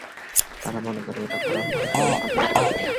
তাঁরা মনে করেন, এটি করা হলে চলমান আন্দোলন মারাত্মকভাবে ক্ষতিগ্রস্ত হবে।